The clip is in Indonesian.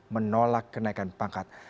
menolak kenaikan pangkat